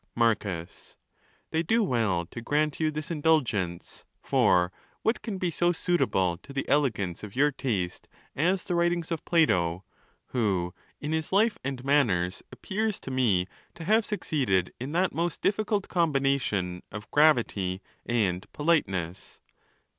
Marcus.—They do well to grant you this indulgence, for what can be so suitable to the elegance of your taste as the writings of Plato !—who in his life and manners appears to me to have succeeded in that most difficult combination of gravity and politeness.